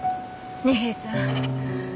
二瓶さん。